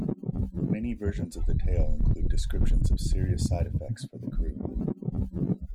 Many versions of the tale include descriptions of serious side effects for the crew.